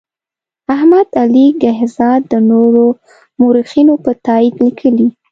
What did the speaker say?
احمد علي کهزاد د نورو مورخینو په تایید لیکي.